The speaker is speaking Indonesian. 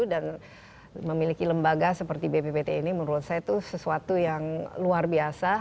dan memiliki lembaga seperti bppt ini menurut saya itu sesuatu yang luar biasa